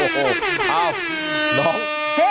ครับน้อง